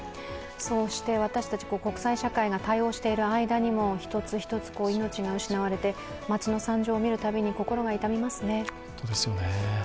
そうして私たち、国際社会が対応している間にも１つ１つ命が失われて街の惨状を見るたびに、心が痛みますね。